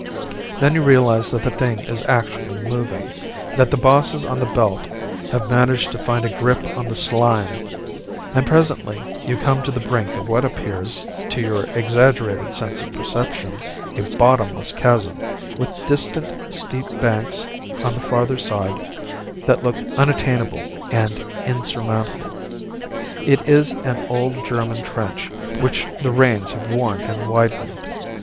Then you realize that the thing is actually moving, that the bosses on the belt have managed to find a grip on the slime and presently you come to the brink of what appears, to your exaggerated sense of perception, a bottomless chasm, with distant steep banks on the farther side that look unattainable and insurmountable. It is an old German trench which the rains have worn and widened.